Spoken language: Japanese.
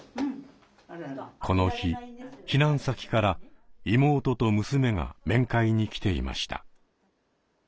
この日避難先から妹と娘が面会に来ていました。